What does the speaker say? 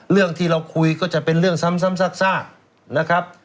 เรื่องที่เราคุยก็จะเป็นเรื่องซ้ำซากนะครับ